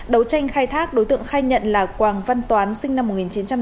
đấu tranh khai thác đối tượng khai nhận là quảng văn toán sinh năm một nghìn chín trăm tám mươi